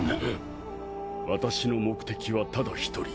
私の目的はただ１人。